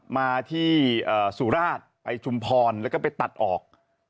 มาที่สุราชไปชุมพรแล้วก็ไปตัดออก